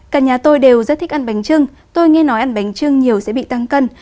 cả nhà tôi đều rất thích ăn bánh trưng tôi nghe nói ăn bánh trưng nhiều sẽ bị tăng cân